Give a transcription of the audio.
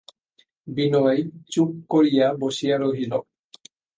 বিনয় চুপ করিয়া বসিয়া রহিল।